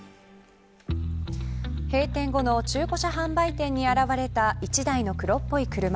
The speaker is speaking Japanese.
閉店後の中古車販売店に現れた１台の黒っぽい車。